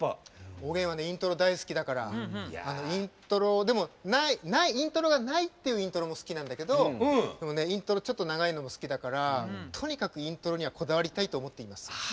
おげんはイントロ大好きだからイントロがないっていうイントロも好きなんだけどイントロちょっと長いのも好きだからとにかくイントロにはこだわりたいと思っています。